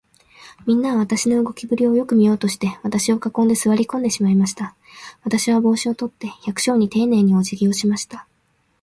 みんなは、私の動きぶりをよく見ようとして、私を囲んで、坐り込んでしまいました。私は帽子を取って、百姓にていねいに、おじぎをしました。